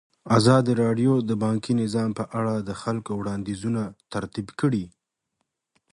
ازادي راډیو د بانکي نظام په اړه د خلکو وړاندیزونه ترتیب کړي.